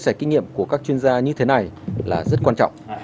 chia sẻ kinh nghiệm của các chuyên gia như thế này là rất quan trọng